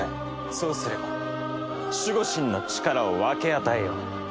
そうすれば守護神の力を分け与えよう。